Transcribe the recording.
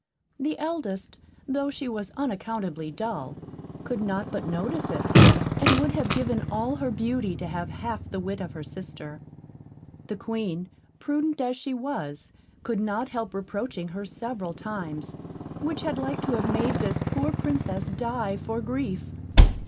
The eldest, tho' she was unaccountably dull, could not but notice it, and would have given all her beauty to have half the wit of her sister. The Queen, prudent as she was, could not help reproaching her several times, which had like to have made this poor Princess die for grief.